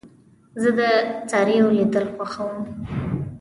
زه د څارويو لیدل خوښوم.